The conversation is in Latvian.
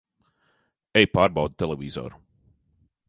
Ej pārbaudi televizoru!